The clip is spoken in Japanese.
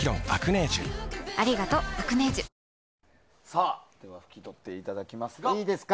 さあ拭き取っていただきまして。